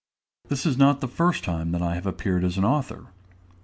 This is not the first time that I have appeared as an author.